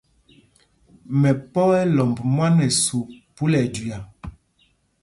Mɛpɔ̄ ɛ́ lɔmb mwán ɛsûp phúla ɛjüia.